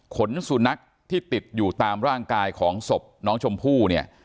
สุนัขที่ติดอยู่ตามร่างกายของศพน้องชมพู่เนี่ย